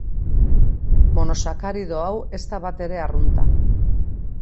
Monosakarido hau ez da batere arrunta.